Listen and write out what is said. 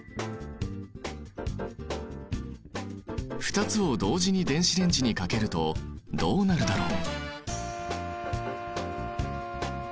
２つを同時に電子レンジにかけるとどうなるだろう？